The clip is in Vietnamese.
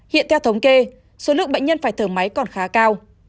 hiện theo thống kê số lượng bệnh nhân phải thở máy còn khá cao